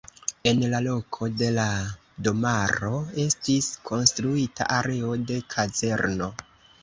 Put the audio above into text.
En la loko de la domaro estis konstruita areo de kazerno.